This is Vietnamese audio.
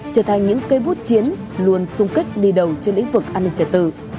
trở thành những cây bút chiến luôn sung kích đi đầu trên lĩnh vực an ninh trẻ tử